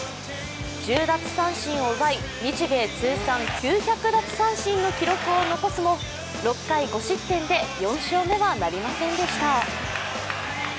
１０奪三振を奪い、日米通算９００奪三振の記録を残すも６回５失点で４勝目はなりませんでした。